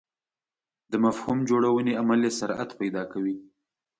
د مفهوم جوړونې عمل یې سرعت پیدا کوي.